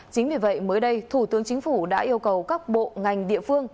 chính vì vậy mới đây thủ tướng chính phủ đã yêu cầu các bộ ngành địa phương